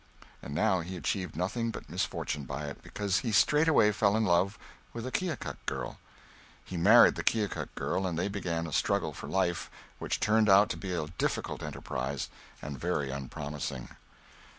And now he achieved nothing but misfortune by it, because he straightway fell in love with a Keokuk girl. He married the Keokuk girl and they began a struggle for life which turned out to be a difficult enterprise, and very unpromising.